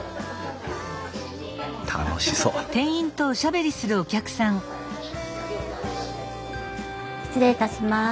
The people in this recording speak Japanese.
楽しそう失礼いたします。